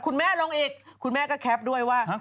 คุณแม่ลงอีกคุณแม่ก็แคปด้วยว่า